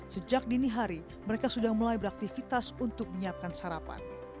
sejak dini hari mereka sudah mulai beraktivitas untuk menyiapkan sarapan